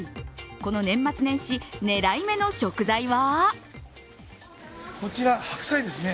この年末年始、狙い目の食材は？